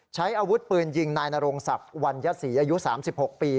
ใช้อาวุธปืนยิงนายนโรงศักดิ์วัญญศรีอายุ๓๖ปี